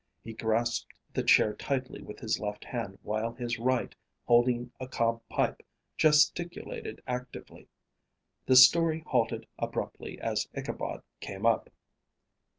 He grasped the chair tightly with his left hand while his right, holding a cob pipe, gesticulated actively. The story halted abruptly as Ichabod came up.